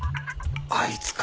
あいつか。